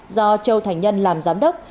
do châu thành nhân làm giám đốc